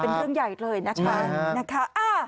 เป็นเรื่องใหญ่เลยนะคะ